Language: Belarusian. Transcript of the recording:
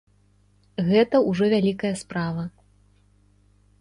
Гэта ўжо вялікая справа.